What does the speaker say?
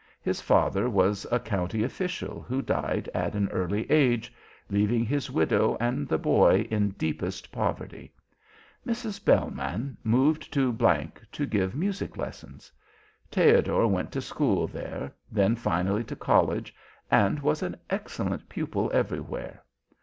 His father was a county official who died at an early age, leaving his widow and the boy in deepest poverty. Mrs. Bellmann moved to G to give music lessons. Theodor went to school there, then finally to college, and was an excellent pupil everywhere.